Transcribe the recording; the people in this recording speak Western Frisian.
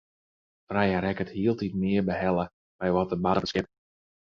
Freya rekket hieltyd mear behelle by wat der bart op it skip.